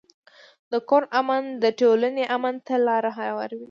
د کور امن د ټولنې امن ته لار هواروي.